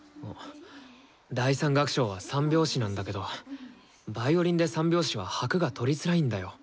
第３楽章は３拍子なんだけどヴァイオリンで３拍子は拍が取りづらいんだよ。